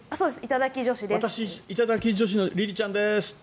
私、頂き女子のりりちゃんですって。